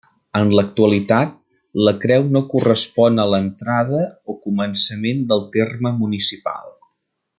En l'actualitat, la Creu no correspon a l'entrada o començament del terme municipal.